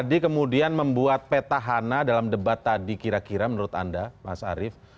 ya tadi kemudian membuat peta hana dalam debat tadi kira kira menurut anda mas arief